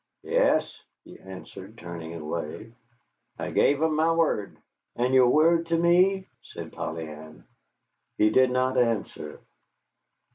"Yes," he answered, turning away, "I gave 'em my word." "And your word to me?" said Polly Ann. He did not answer.